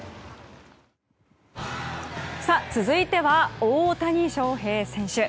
続いては大谷翔平選手。